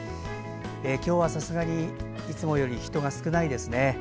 今日はさすがにいつもより人が少ないですね。